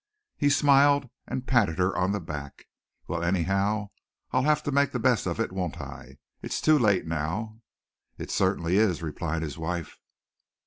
He smiled and patted her on the back. "Well, anyhow I'll have to make the best of it, won't I? It's too late now." "It certainly is," replied his wife.